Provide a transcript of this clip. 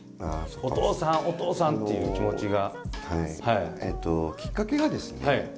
お父さんお父さんっていう気持ちが。